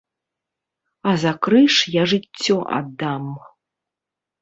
А за крыж я жыццё аддам.